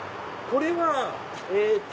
これはえっと。